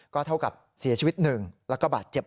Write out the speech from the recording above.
ก็เท่ากับเสียชีวิตหนึ่งแล้วก็บาดเจ็บ